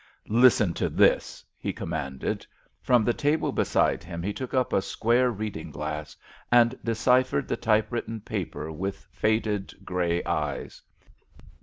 "Listen to this," he commanded. From the table beside him he took up a square reading glass, and deciphered the typewritten paper with faded grey eyes.